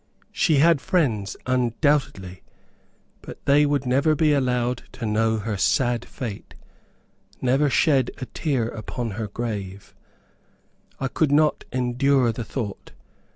She had friends, undoubtedly, but they would never be allowed to know her sad fate, never shed a tear upon her grave! I could not endure the thought.